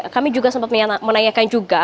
kami juga sempat menanyakan juga